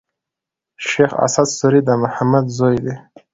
شېخ اسعد سوري د محمد زوی دﺉ.